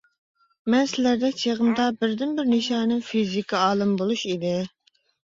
مەن سىلەردەك چېغىمدا بىردىنبىر نىشانىم فىزىكا ئالىمى بولۇش ئىدى.